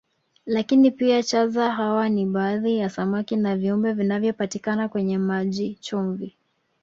Lakini pia chaza hawa ni baadhi ya samaki na viumbe vinavyopatikana kwenye maji chumvi